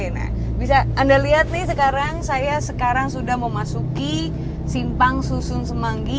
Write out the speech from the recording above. nah bisa anda lihat nih sekarang saya sudah mau masuk simpang susun semanggi